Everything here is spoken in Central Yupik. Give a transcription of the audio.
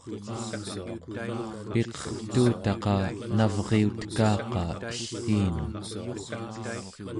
piqertuutaqa navriutekaqa elliinun